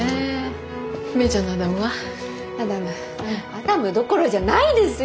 アダムどころじゃないですよ！